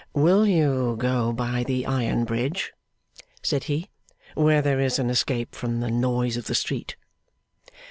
'Will you go by the Iron Bridge,' said he, 'where there is an escape from the noise of the street?